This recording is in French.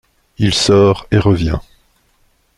Il sort et revient.